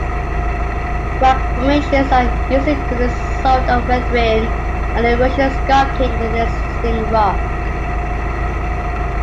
Rock formations are usually the result of weathering and erosion sculpting the existing rock.